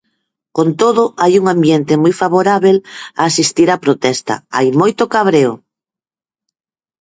Con todo hai un ambiente moi favorábel a asistir á protesta, hai moito cabreo.